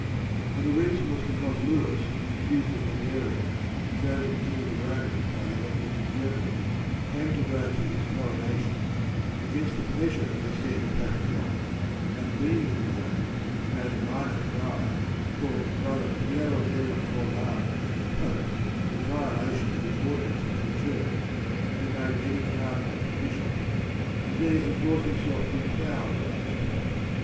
And the reason was because Lewis, Duke of Bavaria, chosen King of the Romans by the electors of Germany, came to Rome for his coronation, against the pleasure of the said Pope John, and, being in Rome, he made a minor friar, called brother Piero della Corvara, Pope, in violation 97 k of the ordinances of the Church, and he made many cardinals and bishops ; and there he caused himself to be crowned by this Pope.